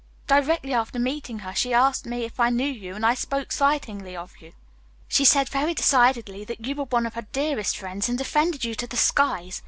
Directly after meeting her she asked me if I knew you, and I spoke slightingly of you. She said very decidedly that you were one of her dearest friends, and defended you to the skies.